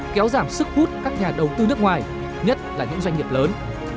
kéo giảm sức hút các nhà đầu tư nước ngoài nhất là những doanh nghiệp lớn